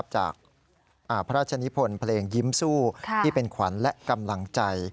จากพระราชนิพลเพลงยิ้มสู้ที่เป็นขวัญและกำลังใจ